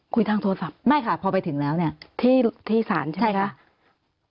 คุยทางโทรศัพท์ไม่ค่ะพอไปถึงแล้วเนี่ยที่ศาลใช่ไหมคะ